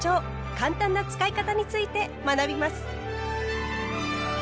簡単な使い方について学びます。